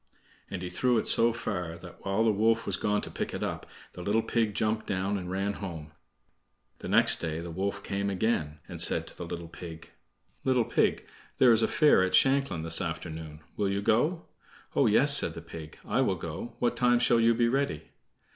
And he threw it so far that, while the wolf was gone to pick it up, the little pig jumped down and ran home. The next day the wolf came again, and said to the little pig: "Little pig, there is a fair at Shanklin this afternoon. Will you go?" "Oh, yes," said the pig, "I will go; what time shall you be ready?"